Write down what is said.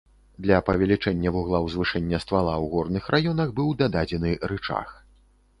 Для павелічэння вугла узвышэння ствала ў горных раёнах быў дададзены рычаг.